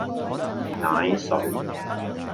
奶水